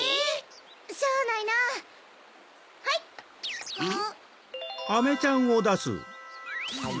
しゃあないなはい！